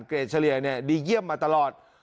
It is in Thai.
เกรดเฉลี่ยเนี่ยดีเยี่ยมมาตลอด